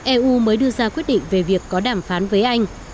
eu mới đưa ra quyết định về việc có đàm phán với anh